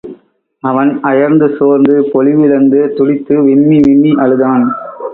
அவன் அயர்ந்து சோர்ந்து பொலிவிழந்து துடித்து விம்மி விம்மி அழுதான்.